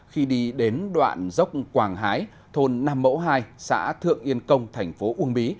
khi đi đến đoạn dốc quảng hái thôn năm mẫu hai xã thượng yên công thành phố uông bí